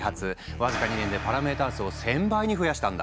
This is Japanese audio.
わずか２年でパラメータ数を１０００倍に増やしたんだ。